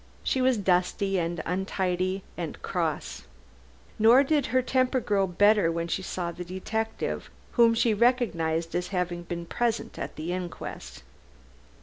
She was dusty and untidy and cross. Nor did her temper grow better when she saw the detective, whom she recognized as having been present at the inquest.